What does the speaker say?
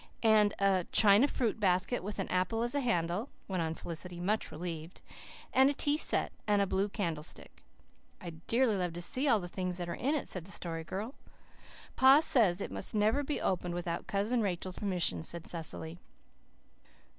"And a china fruit basket with an apple on the handle," went on Felicity, much relieved. "And a tea set, and a blue candle stick." "I'd dearly love to see all the things that are in it," said the Story Girl. "Pa says it must never be opened without Cousin Rachel's permission," said Cecily.